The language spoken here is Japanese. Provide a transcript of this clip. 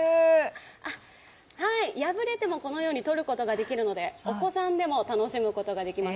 破れてもこのようにとることができるのでお子さんでも楽しむことができます。